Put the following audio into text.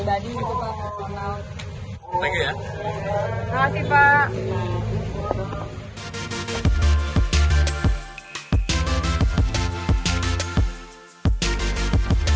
ada pembahasan pembahasan yang sudah direncanakan nanti kalau di sana